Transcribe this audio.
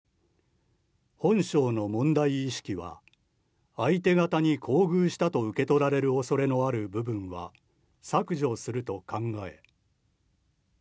本省の問題意識は相手方に厚遇したと受け取られる恐れのある部分は削除すると考え。